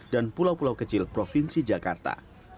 dan pulau pulau kecil provinsi jakarta